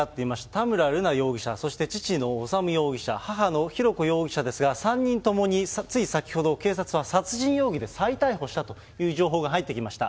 田村瑠奈容疑者、そして父の修容疑者、母の浩子容疑者ですが、３人ともに、つい先ほど警察は殺人容疑で再逮捕したという情報が入ってきました。